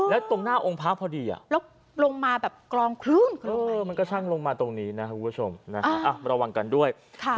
แล้วตรงหน้าองค์พระพระพอดีอ่ะเออมันก็ช่างลงมาตรงนี้นะครับคุณผู้ชมระวังกันด้วย